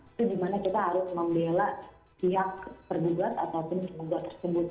itu di mana kita harus membela pihak terdugat ataupun gugat tersebut